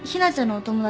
お友達？